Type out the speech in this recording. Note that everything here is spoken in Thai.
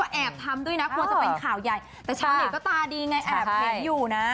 แอบทำด้วยนะกลัวจะเป็นข่าวใหญ่แต่ชาวเน็ตก็ตาดีไงแอบเห็นอยู่นะ